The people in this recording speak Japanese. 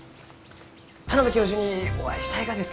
田邊教授にお会いしたいがです